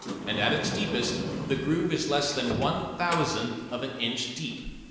And at its deepest the groove is less than one thousandth of an inch deep.